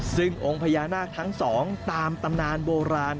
ซึ่งองค์พญานาคทั้งสองตามตำนานโบราณ